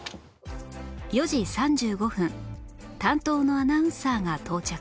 ４時３５分担当のアナウンサーが到着